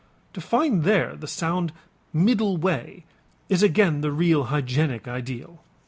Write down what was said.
To find there the sound middle way is again the real hygienic ideal.